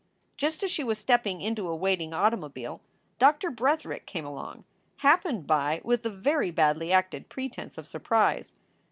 Just as she was stepping into a waiting automobile Doctor Bretherick came along, happened by with a very badly acted pretense of surprise.